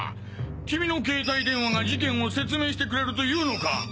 君の携帯電話が事件を説明してくれるというのか？